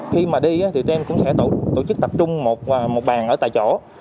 khi mà đi thì tụi em cũng sẽ tổ chức tập trung một bàn ở tại chỗ